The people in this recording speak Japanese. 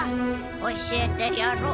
教えてやろう。